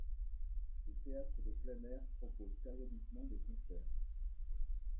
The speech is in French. Le théâtre de plein air propose périodiquement des concerts.